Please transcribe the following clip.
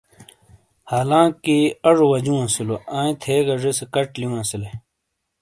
حالانکہ اَجو وَجُوں اَسِیلو، آئِیں تھیگہ ذیسے کَچ لِیوں اَسِیلے۔